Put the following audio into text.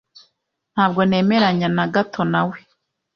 Ntabwo nemeranya na gato nawe.